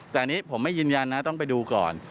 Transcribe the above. แต่อันนี้ผมไม่ยืนยันนะต้องไปดูก่อน